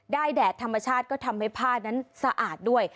แดดธรรมชาติก็ทำให้ผ้านั้นสะอาดด้วย